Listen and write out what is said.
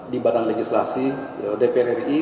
di badan legislasi dpr ri